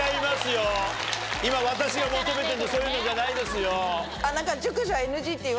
今私が求めてるのそういうのじゃないですよ。